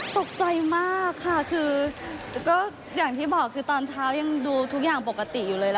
ตกใจมากค่ะคือก็อย่างที่บอกคือตอนเช้ายังดูทุกอย่างปกติอยู่เลยล่ะ